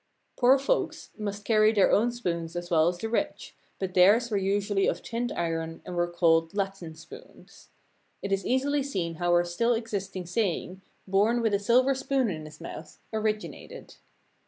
Poor folks must carry their own spoons as well as the rich, but theirs were usually of tinned iron and were called "Latten spoons." It is easily seen how our still existing say ing, "Born with a silver spoon in his mouth," originated.